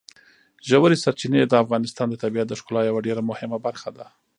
ژورې سرچینې د افغانستان د طبیعت د ښکلا یوه ډېره مهمه برخه ده.